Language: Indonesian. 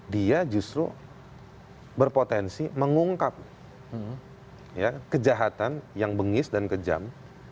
dia justru berpotensi mengungkap kejahatan yang bengis dan kejam